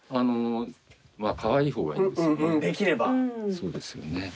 そうですよね。